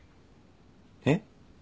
えっ？